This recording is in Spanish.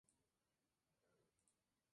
Es un manjar muy demandado y de alto valor.